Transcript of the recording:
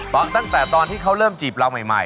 ตั้งแต่ตอนที่เขาเริ่มจีบเราใหม่